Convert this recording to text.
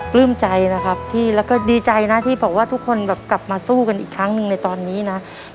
ปลื้มใจนะครับที่แล้วก็ดีใจนะที่บอกว่าทุกคนแบบกลับมาสู้กันอีกครั้งหนึ่งในตอนนี้นะ